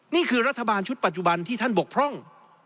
นี่คือรัฐบาลชุดปัจจุบันที่ท่านบกพร่อง